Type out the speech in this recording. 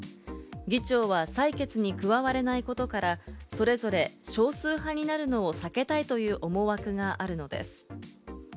議長は採決に加われないことから、それぞれ少数派になるのを避けたいという思惑があるのです。